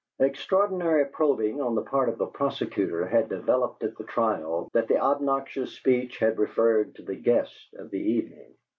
Extraordinary probing on the part of the prosecutor had developed at the trial that the obnoxious speech had referred to the guest of the evening.